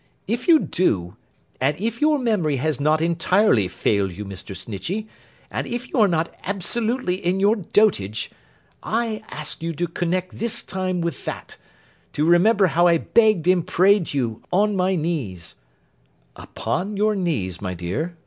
If you do; and if your memory has not entirely failed you, Mr. Snitchey; and if you are not absolutely in your dotage; I ask you to connect this time with that—to remember how I begged and prayed you, on my knees—' 'Upon your knees, my dear?